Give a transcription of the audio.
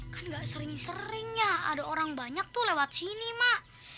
kan gak sering sering ya ada orang banyak tuh lewat sini mak